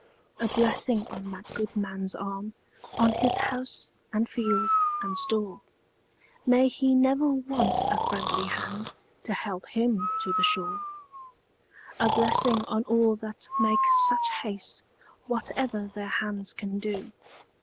A blessing on that good man's arm, On his house, and field, and store; May he never want a friendly hand To help him to the shore! A blessing on all that make such haste, Whatever their hands can do!